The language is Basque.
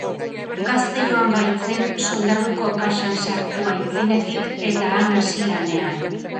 Gazte joan baitzen, soldaduko kaxan sartu aitzinetik, eta han hasi lanean.